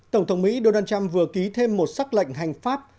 tổng thống mỹ donald trump vừa ký thêm một sắc lệnh hành pháp